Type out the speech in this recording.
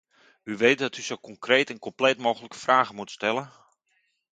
U weet dat u zo concreet en compleet mogelijke vragen moet stellen.